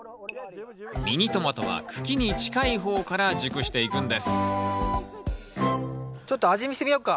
ミニトマトは茎に近い方から熟していくんですちょっと味見してみようか。